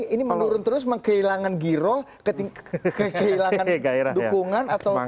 ini menurun terus kehilangan giro kehilangan dukungan atau